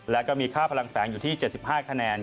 แล้วก็มีค่าพลังแสงอยู่ที่๗๕คะแนน